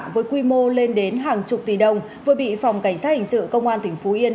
với quy mô lên đến hàng chục tỷ đồng vừa bị phòng cảnh sát hình sự công an tỉnh phú yên